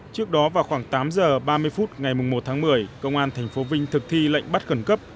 trước đó vào khoảng tám giờ ba mươi phút ngày một tháng một mươi công an tp vinh thực thi lệnh bắt khẩn cấp